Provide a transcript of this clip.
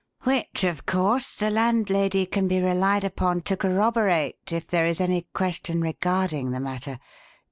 "Which, of course, the landlady can be relied upon to corroborate if there is any question regarding the matter?